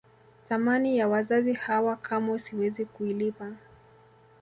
Thamani ya wazazi hawa kamwe siwezi kuilipa